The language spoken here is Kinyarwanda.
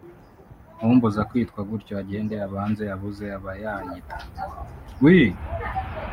umbuza kwitwa gutyo agende abanze abuze abayanyita”